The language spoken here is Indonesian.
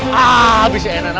tapi bumi lagi gementer ini